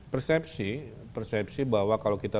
persepsi persepsi bahwa kalau kita